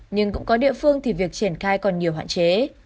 nhưng cũng có địa phương thì việc triển khai còn nhiều hạn chế